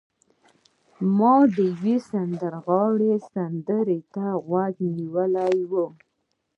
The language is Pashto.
ما د یو سندرغاړي سندرې ته غوږ نیولی و